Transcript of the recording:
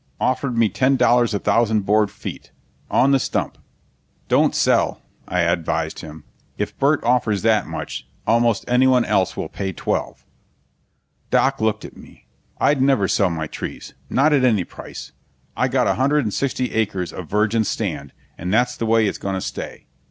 "Offered me ten dollars a thousand board feet, on the stump." "Don't sell," I advised him. "If Burt offers that much, almost anyone else will pay twelve." Doc looked at me. "I'd never sell my trees. Not at any price. I got a hundred and sixty acres of virgin stand, and that's the way it's gonna stay.